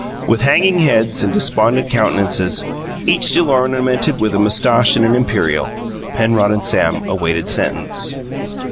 With hanging heads and despondent countenances, each still ornamented with a moustache and an imperial, Penrod and Sam awaited sentence.